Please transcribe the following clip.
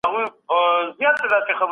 د ژوند حق ته غاړه کېږدئ.